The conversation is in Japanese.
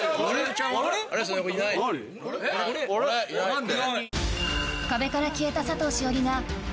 ・・何で？